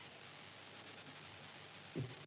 ya itu bisa diganti